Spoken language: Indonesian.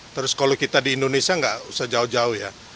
terus kalau kita di indonesia nggak usah jauh jauh ya